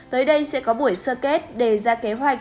tới đây sẽ có buổi sơ kết đề ra kế hoạch